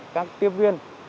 các tiếp viên